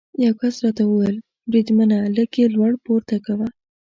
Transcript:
یو کس راته وویل: بریدمنه، لږ یې لوړ پورته کوه.